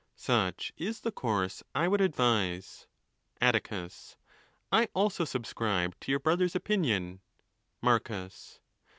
—Such is the course I would advise. Atticus,—I also subscribe to your brother's opinion. Marcus.